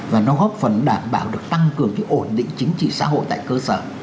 và nó góp phần đảm bảo được tăng cường cái ổn định chính trị xã hội tại cơ sở